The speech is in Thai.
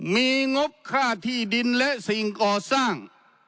มีงบค่าที่ดินและสิ่งก่อสร้าง